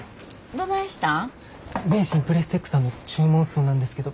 名神プレステックさんの注文数なんですけど。